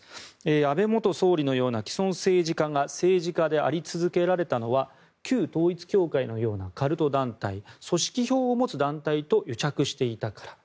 安倍元総理のような既存政治家が政治家であり続けられたのは旧統一教会のようなカルト団体組織票を持つ団体と癒着していたから。